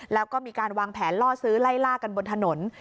แล้วก็มีการวางแผนล่อซื้อไล่ล่ากันบนถนน